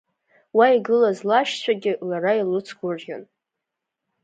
Уа игылаз лашьцәагьы, лара илыцгәырӷьон.